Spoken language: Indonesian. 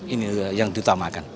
ini yang ditamakan